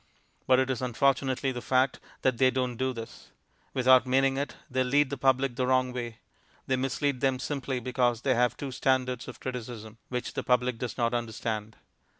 But it is unfortunately the fact that they don't do this. Without meaning it, they lead the public the wrong way. They mislead them simply because they have two standards of criticism which the public does not understand.